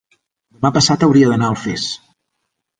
demà passat hauria d'anar a Alfés.